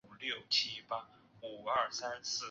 继续往上走